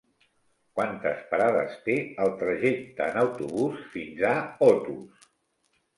Quantes parades té el trajecte en autobús fins a Otos?